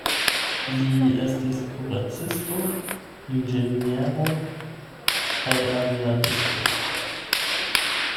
Li estis kuracisto, inĝeniero kaj aviadisto.